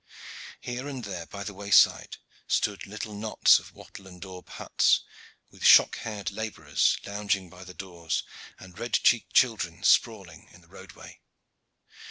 Here and there by the wayside stood little knots of wattle and daub huts with shock haired laborers lounging by the doors and red cheeked children sprawling in the roadway.